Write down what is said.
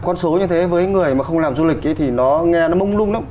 con số như thế với người mà không làm du lịch thì nó nghe nó mông lung lắm